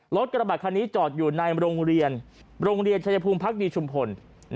รถกระบะคันนี้จอดอยู่ในโรงเรียนโรงเรียนชายภูมิพักดีชุมพล